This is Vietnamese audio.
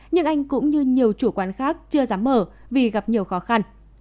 nhưng anh cũng như nhiều chủ quán khác chưa dám mở vì gặp nhiều khó khăn